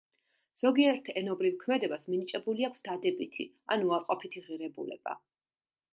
ზოგიერთ ენობრივ ქმედებას მინიჭებული აქვს დადებითი ან უარყოფითი ღირებულება.